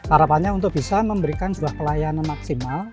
harapannya untuk bisa memberikan sebuah pelayanan maksimal